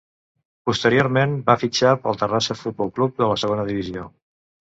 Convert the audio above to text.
Posteriorment va fitxar pel Terrassa Futbol Club de la segona divisió.